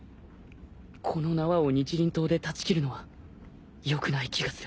この縄を日輪刀で断ち切るのはよくない気がする